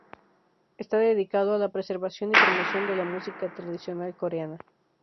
Está dedicado a "la preservación y promoción de la música tradicional Coreana".